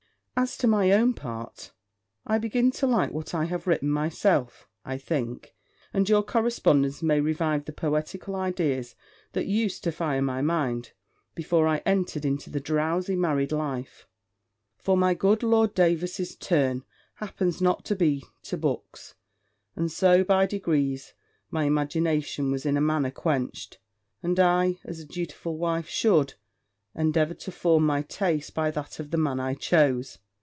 As to my own part, I begin to like what I have written myself, I think; and your correspondence may revive the poetical ideas that used to fire my mind, before I entered into the drowsy married life; for my good Lord Davers's turn happens not to be to books; and so by degrees my imagination was in a manner quenched, and I, as a dutiful wife should, endeavoured to form my taste by that of the man I chose.